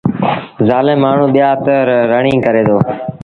زآلم مآڻهوٚݩ ٻيآݩ تي رڙيٚن ڪريدو۔